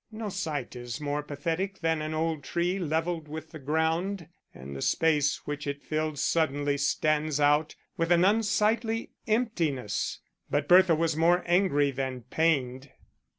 No sight is more pathetic than an old tree levelled with the ground; and the space which it filled suddenly stands out with an unsightly emptiness. But Bertha was more angry than pained.